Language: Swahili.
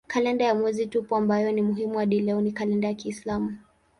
Kalenda ya mwezi tupu ambayo ni muhimu hadi leo ni kalenda ya kiislamu.